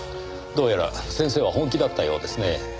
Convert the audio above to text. どうやら先生は本気だったようですねぇ。